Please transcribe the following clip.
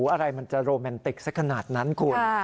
อะไรมันจะโรแมนติกสักขนาดนั้นคุณ